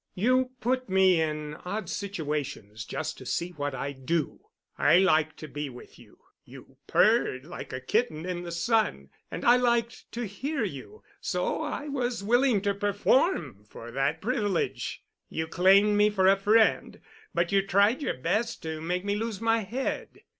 You put me in odd situations just to see what I'd do. I liked to be with you. You purred like a kitten in the sun, and I liked to hear you, so I was willing to perform for that privilege. You claimed me for a friend, but you tried your best to make me lose my head.